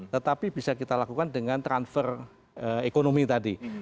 tetapi bisa kita lakukan dengan transfer ekonomi tadi